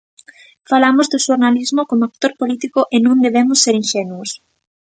Falamos do xornalismo como actor político e non debemos ser inxenuos.